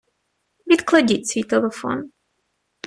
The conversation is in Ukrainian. Відкладіть свій телефон.